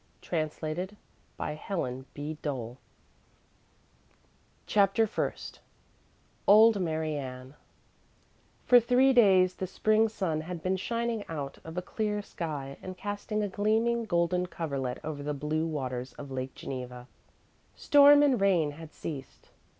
WHAT SAMI SINGS WITH THE BIRDS CHAPTER FIRST OLD MARY ANN For three days the Spring sun had been shining out of a clear sky and casting a gleaming, golden coverlet over the blue waters of Lake Geneva. Storm and rain had ceased.